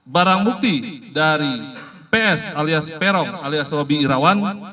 barang bukti dari ps alias perok alias roby irawan